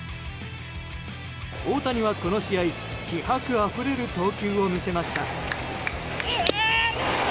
大谷は、この試合気迫あふれる投球を見せました。